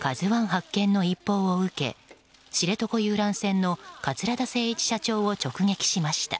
「ＫＡＺＵ１」発見の一報を受け知床遊覧船の桂田精一社長を直撃しました。